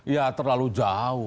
ya terlalu jauh